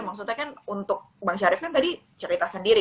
maksudnya kan bang syarif tadi cerita sendiri